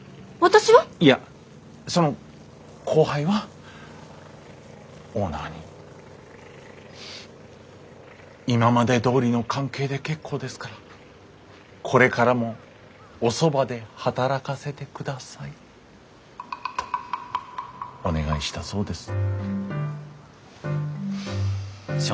いやその後輩はオーナーに「今までどおりの関係で結構ですからこれからもおそばで働かせてください」とお願いしたそうです。